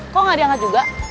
kok nggak diangkat juga